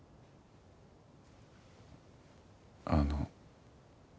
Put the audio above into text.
あの。